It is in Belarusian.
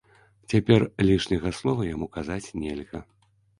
Цяпер лішняга слова яму казаць нельга.